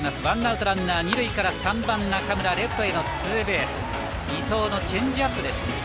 ワンアウトランナー二塁から３番中村レフトへのツーベース伊藤はチェンジアップでした。